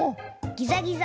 ギザギザ？